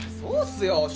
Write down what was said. そうっすよ。